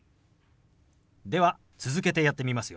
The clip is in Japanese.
では続けてやってみますよ。